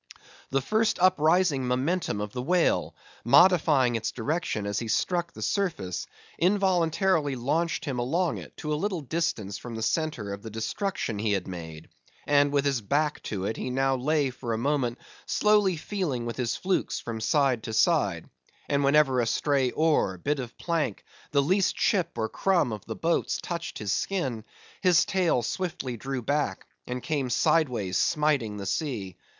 The first uprising momentum of the whale—modifying its direction as he struck the surface—involuntarily launched him along it, to a little distance from the centre of the destruction he had made; and with his back to it, he now lay for a moment slowly feeling with his flukes from side to side; and whenever a stray oar, bit of plank, the least chip or crumb of the boats touched his skin, his tail swiftly drew back, and came sideways smiting the sea.